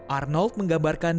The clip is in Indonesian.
arnold menggambarkan berita